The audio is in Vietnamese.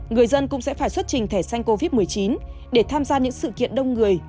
người dân cũng sẽ phải xuất trình thẻ xanh covid một mươi chín để tham gia những sự kiện đông người